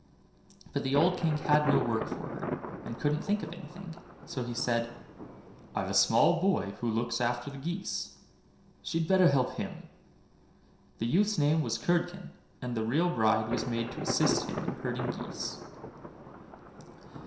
But the old King had no work for her, and couldn't think of anything; so he said, "I've a small boy who looks after the geese, she'd better help him." The youth's name was Curdken, and the real bride was made to assist him in herding geese.